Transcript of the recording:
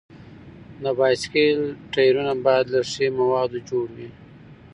د بایسکل ټایرونه باید له ښي موادو جوړ وي.